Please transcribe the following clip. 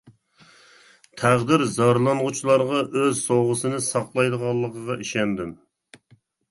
تەقدىر زارلانغۇچىلارغا ئۆز سوۋغىسىنى ساقلايدىغانلىقىغا ئىشەندىم.